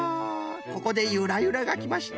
ここでゆらゆらがきました。